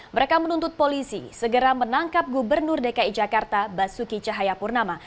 mereka menuntut polisi segera menangkap gubernur dki jakarta basuki cahayapurnama